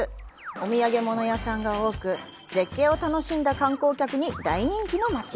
お土産屋さんが多く、絶景を楽しんだ観光客に大人気の街。